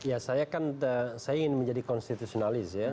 ya saya kan saya ingin menjadi konstitusionalis ya